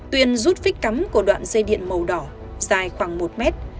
tuyền rút vít cắm của đoạn dây điện màu đỏ dài khoảng một mét